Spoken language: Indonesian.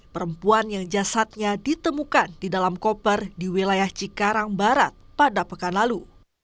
perempuan yang jasadnya ditemukan di dalam koper di wilayah cikarang barat pada pekan lalu